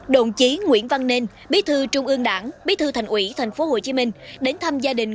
đồng chí nguyễn văn nên bí thư trung ương đảng bí thư thành ủy tp hcm đến thăm gia đình